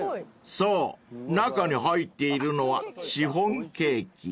［そう中に入っているのはシフォンケーキ］